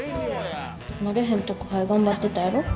慣れへん宅配頑張ってたやろ？